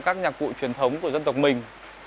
các nhạc cụ truyền thống của dân tộc mình